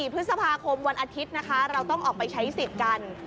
๔พฤษภาคมวันอาทิตย์นะคะเราต้องออกไปใช้สิทธิ์กัน